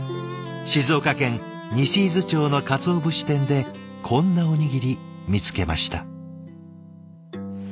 静岡県西伊豆町の鰹節店でこんなおにぎり見つけました。